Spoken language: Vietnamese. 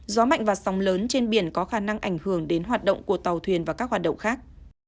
gió mạnh và sóng lớn trên biển có khả năng ảnh hưởng đến hoạt động của tàu thuyền và các hoạt động khác